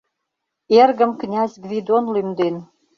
Эргым князь Гвидон лӱмден.